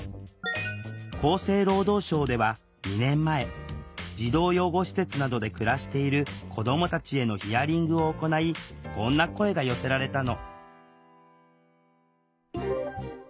厚生労働省では２年前児童養護施設などで暮らしている子どもたちへのヒアリングを行いこんな声が寄せられたの。